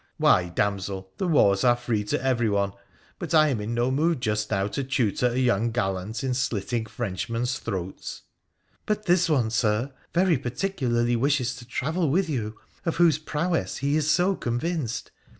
' Why, damsel, the wars are free to everyone ; but I am in no mood just now to tutor a young gallant in slitting French men's throats !'' But this one, Sir, very particularly wishes to travel with you, of whose prowess he is so convinced.